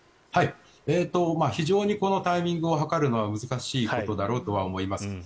非常にこのタイミングを図るのは難しいことだろうとは思います。